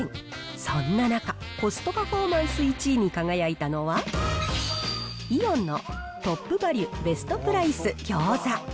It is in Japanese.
そんな中、コストパフォーマンス１位に輝いたのは、イオンのトップバリュベストプライスギョーザ。